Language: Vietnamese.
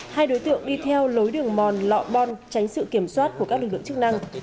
hai đối tượng đi theo lối đường mòn lọ bon tránh sự kiểm soát của các lực lượng chức năng